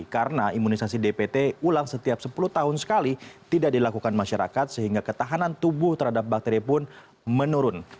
karena imunisasi dpt ulang setiap sepuluh tahun sekali tidak dilakukan masyarakat sehingga ketahanan tubuh terhadap bakteri pun menurun